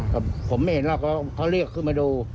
ผมไม่เห็นหรอกเขาเรียกขึ้นมาดู